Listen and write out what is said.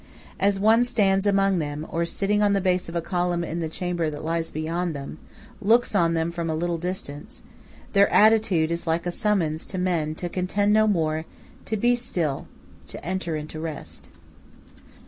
As one stands among them or sitting on the base of a column in the chamber that lies beyond them, looks on them from a little distance, their attitude is like a summons to men to contend no more, to be still, to enter into rest.